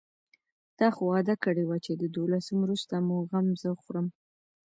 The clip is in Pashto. تا خو وعده کړې وه چې د دولسم وروسته مو غم زه خورم.